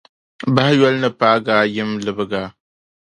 Bahiyoli ni paagi a yim libigi a.